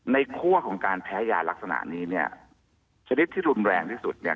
คั่วของการแพ้ยาลักษณะนี้เนี่ยชนิดที่รุนแรงที่สุดเนี่ย